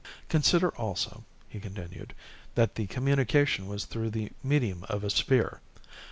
"Consider also," he continued, "that the communication was through the medium of a sphere.